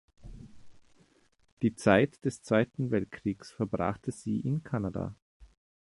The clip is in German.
Die Zeit des Zweiten Weltkriegs verbrachte sie in Kanada.